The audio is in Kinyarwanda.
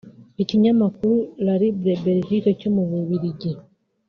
Ikinyamakuru La Libre Belgique cyo mu Bubiligi